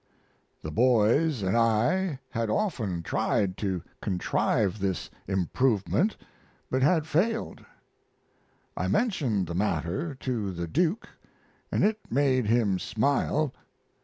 The boys and I had often tried to contrive this improvement, but had failed. I mentioned the matter to the Duke and it made him smile.